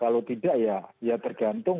kalau tidak ya tergantung